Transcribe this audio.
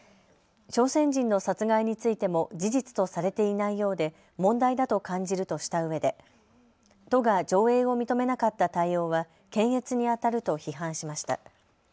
朝鮮人の殺害についても事実とされていないようで問題だと感じるとしたうえで都が上映を認めなかった対応は検閲にあたると批判しました。